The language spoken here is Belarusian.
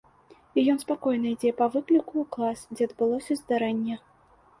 І ён спакойна ідзе па выкліку ў клас, дзе адбылося здарэнне.